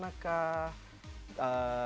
dari gaya dari mbak dinda